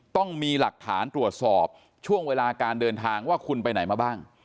ต้องมีหลักฐานตรวจสอบช่วงเวลาการเดินทางว่าคุณไปไหนมาบ้าง